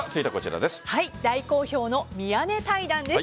大好評の宮根対談です。